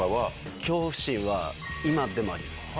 恐怖心は、今でもあります。